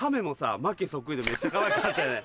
でめっちゃかわいかったよね。